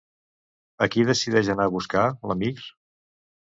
A qui decideix anar a buscar, l'Amir?